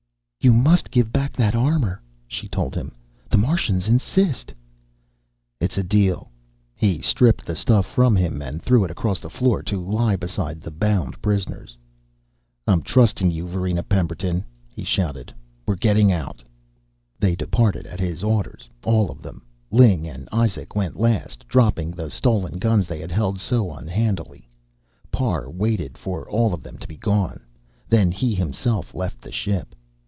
"You must give back that armor," she told him. "The Martians insist." "It's a deal." He stripped the stuff from him and threw it across the floor to lie beside the bound prisoners. "I'm trusting you, Varina Pemberton!" he shouted. "We're getting out." They departed at his orders, all of them. Ling and Izak went last, dropping the stolen guns they had held so unhandily. Parr waited for all of them to be gone, then he himself left the ship.